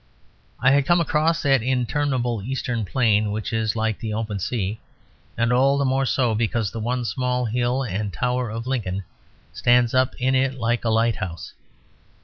I had come across that interminable Eastern plain which is like the open sea, and all the more so because the one small hill and tower of Lincoln stands up in it like a light house.